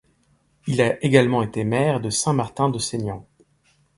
Il a également été maire de Saint-Martin-de-Seignanx.